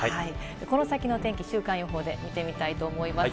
この先の天気、週間予報で見てみたいと思います。